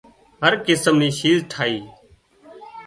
هر قسم نِي شِيز ٺاهِي